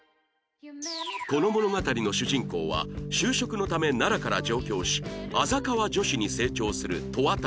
この物語の主人公は就職のため奈良から上京しあざかわ女子に成長する戸渡花